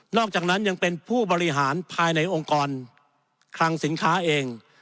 อกจากนั้นยังเป็นผู้บริหารภายในองค์กรคลังสินค้าเอง